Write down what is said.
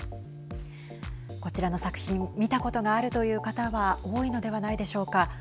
こちらの作品見たことがあるという方は多いのではないでしょうか。